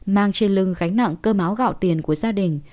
mang trên lưng gánh nặng cơm áo gạo tiền của gia đình